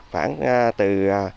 phản từ ba mươi